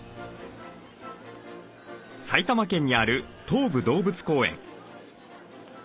埼玉県にある東武動物公園。